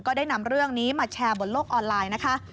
ได้นำเรื่องนี้มาแชร์บนโลกออนไลน์นะคะ